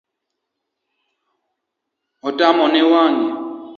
Otamo wang’e